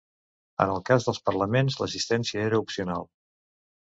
En el cas dels Parlaments l'assistència era opcional.